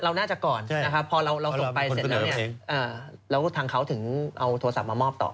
เราน่าจะก่อนนะครับพอเราส่งไปเสร็จแล้วเนี่ยแล้วทางเขาถึงเอาโทรศัพท์มามอบต่อ